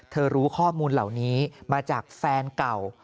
รู้ข้อมูลเหล่านี้มาจากแฟนเก่า